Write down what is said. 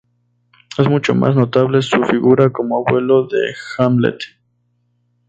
Es mucho más notable su figura como abuelo de Hamlet.